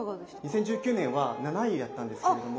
２０１９年は７位だったんですけれども。